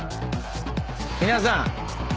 皆さん。